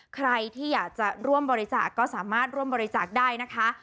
ใครที่อยากจะร่วมบริจาคก็สามารถร่วมบริจาคได้นะคะ